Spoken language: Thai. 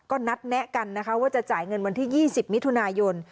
ก็นัดแนะกันนะคะว่าจะจ่ายเงินวันที่๒๐มิถุนายน